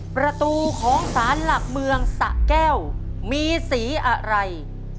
ประตูของสารหลักเมืองสะแก้วมีสีอะไร